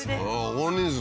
大人数